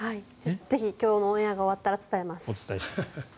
ぜひ、今日のオンエアが終わったらお伝えします。